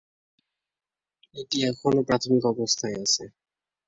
এটি এখনও প্রাথমিক অবস্থায় আছে।